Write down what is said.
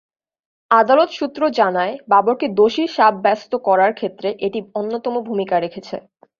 আদালত সূত্র জানায়, বাবরকে দোষী সাব্যস্ত করার ক্ষেত্রে এটি অন্যতম ভূমিকা রেখেছে।